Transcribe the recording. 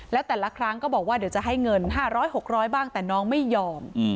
แล้วแต่ละครั้งก็บอกว่าเดี๋ยวจะให้เงิน๕๐๐๖๐๐บ้างแต่น้องไม่ยอม